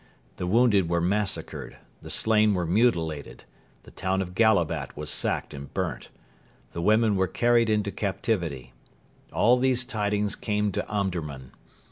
The wounded were massacred: the slain were mutilated: the town of Gallabat was sacked and burnt. The Women were carried into captivity. All these tidings came to Omdurman.